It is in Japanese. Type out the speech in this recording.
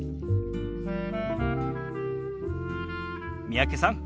三宅さん